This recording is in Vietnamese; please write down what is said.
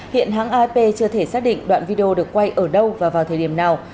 hiện hãng ap chưa thể xác định đoạn video được quay ở đâu và vào thời điểm nào